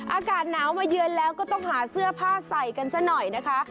อากาศหนาวมาเยือนแล้วก็ต้องหาเสื้อผ้าใส่กันซะหน่อยนะคะ